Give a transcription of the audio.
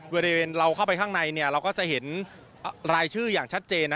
บริเวณเราเข้าไปข้างในเราก็จะเห็นรายชื่ออย่างชัดเจน